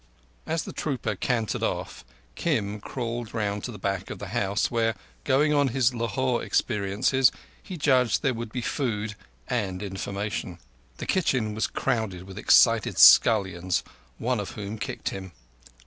As the trooper cantered off, Kim crawled round to the back of the house, where, going on his Lahore experiences, he judged there would be food—and information. The kitchen was crowded with excited scullions, one of whom kicked him.